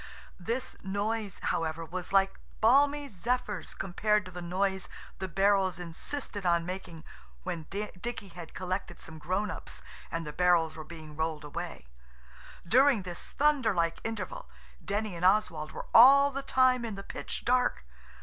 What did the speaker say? This noise, however, was like balmy zephyrs compared to the noise the barrels insisted on making when Dicky had collected some grown ups and the barrels were being rolled away. During this thunder like interval Denny and Oswald were all the time in the pitch dark.